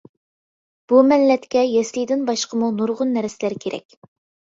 بۇ مىللەتكە يەسلىدىن باشقىمۇ نۇرغۇن نەرسىلەر كېرەك.